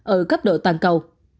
ở cấp độ toàn cầu